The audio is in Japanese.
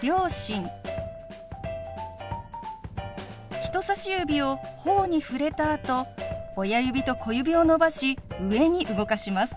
人さし指をほおに触れたあと親指と小指を伸ばし上に動かします。